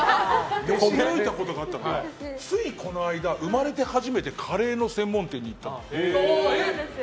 驚いたことがあったのがついこの間、生まれて初めてカレーの専門店に行ったんですよ。